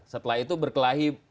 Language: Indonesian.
setelah itu berkelahi